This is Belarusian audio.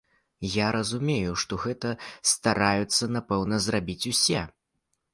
Я разумею, што гэта стараюцца напэўна, зрабіць усе.